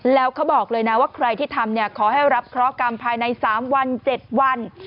แล้วเขาบอกเลยนะว่าใครที่ทำขอให้รับเคราะหกรรมภายใน๓วัน๗วัน